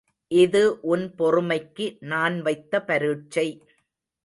இது உன் பொறுமைக்கு நான் வைத்த பரீட்சை.